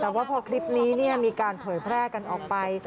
แต่ว่าพอคลิปนี้มีการเผยแพร่กันออกไป